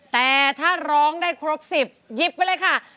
แต่ถ้าร้องได้ครบ๑๐หยิบไปเลยค่ะ